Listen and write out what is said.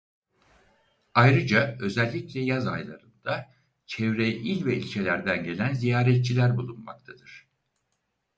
Ayrıca özellikle yaz aylarında çevre il ve ilçelerden gelen ziyaretçiler bulunmaktadır.